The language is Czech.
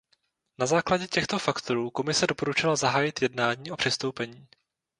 Na základě těchto faktorů Komise doporučila zahájit jednání o přistoupení.